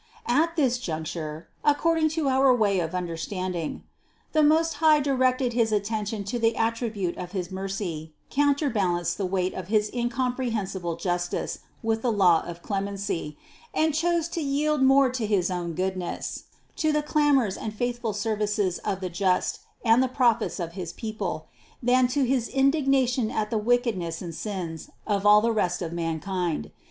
At this Juncture (according to our way of un derstanding), the Most High directed his attention to the attribute of his mercy, counterbalanced the weight of his incomprehensible justice with the law of clemency, and chose to yield more to his own goodness, to the clamors and faithful services of the just and the prophets of his people, than to his indignation at the wickedness and sins of all the rest of mankind.